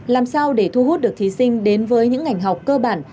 làm sao để thu hút được thí sinh đến với những ngành học cơ bản